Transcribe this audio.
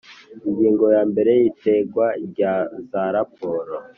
Ingingo ya mbere Itangwa rya za raporo